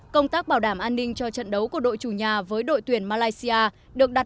công tác bảo đảm an ninh cho trận đấu của đội chủ nhà với đội tuyển malaysia